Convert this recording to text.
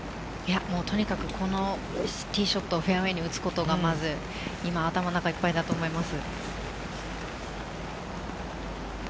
とにかく、このティーショットをフェアウエーに打つことが、まず頭の中がいっぱいだと思います。